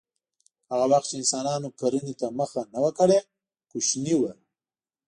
هغه وخت چې انسانانو کرنې ته مخه نه وه کړې کوچني وو